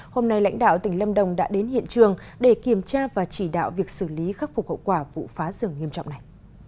hôm nay lãnh đạo tỉnh lâm đồng đã đến hiện trường để kiểm tra và chỉ đạo việc xử lý khắc phục hậu quả vụ phá rừng nghiêm trọng này